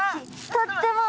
とっても！